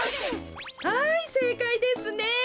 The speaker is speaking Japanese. はいせいかいですね。